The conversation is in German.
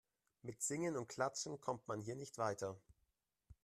Mit Singen und Klatschen kommt man hier nicht weiter.